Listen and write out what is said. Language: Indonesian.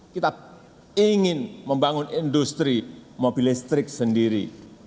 kita ingin membangun industri mobil listrik sendiri